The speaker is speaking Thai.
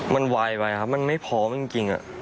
มันวายไปไม่พอจริงอ๋อ